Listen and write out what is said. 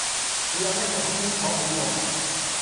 你有咩講清楚好喎